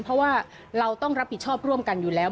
เพราะว่าเราต้องรับผิดชอบร่วมกันอยู่แล้ว